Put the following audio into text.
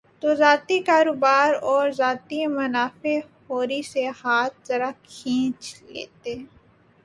تو ذاتی کاروبار اور ذاتی منافع خوری سے ہاتھ ذرا کھینچ لیتے۔